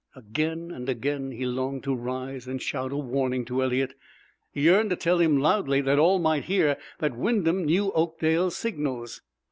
Again and again he longed to rise and shout a warning to Eliot yearned to tell him loudly, that all might hear, that Wyndham knew Oakdale's signals.